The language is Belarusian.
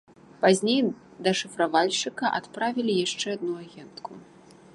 Пазней да шыфравальшчыка адправілі яшчэ адну агентку.